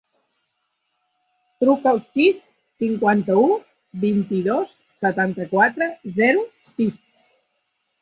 Truca al sis, cinquanta-u, vint-i-dos, setanta-quatre, zero, sis.